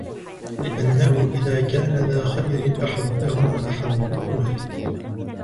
لِأَنَّهُ إذَا كَانَ ذَا خَيْرٍ أَحَبَّهُمْ وَأَحَبُّوهُ